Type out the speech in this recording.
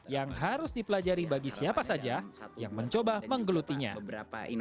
yang harus dipelajari bagi siapa saja yang mencoba menggelutinya